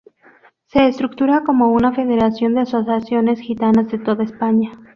Se estructura como una federación de asociaciones gitanas de toda España.